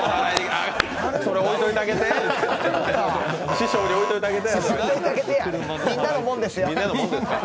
それ置いといてあげて、師匠に置いといてあげて。